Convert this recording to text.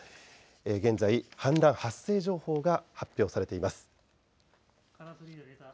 この巨瀬川、現在、氾濫発生情報が発表されています。